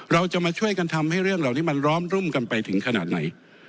เราจะมาช่วยกันทำให้เรื่องเหล่านี้มันร้อมรุ่มกันไปถึงขนาดไหน